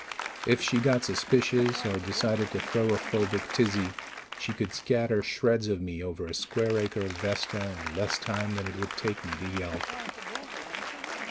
If she got suspicious or decided to throw a phobic tizzy, she could scatter shreds of me over a square acre of Vesta in less time than it would take me to yelp.